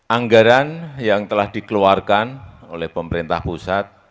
anggaran yang telah dikeluarkan oleh pemerintah pusat